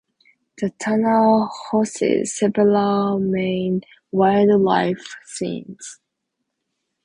The tunnel houses several Maine wildlife scenes.